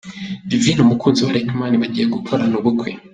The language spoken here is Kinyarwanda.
Divine umukunzi wa Luckyman bagiye gukorana ubukwe.